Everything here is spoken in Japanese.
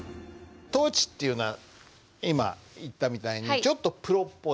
倒置っていうのは今言ったみたいにちょっとプロっぽい。